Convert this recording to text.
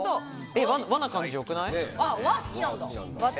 和な感じよくない？